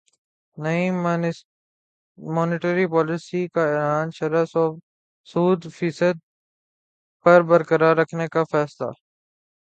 نئی monetary policy کا اعلان شرح سود فیصد پر برقرار رکھنے کا فیصلہ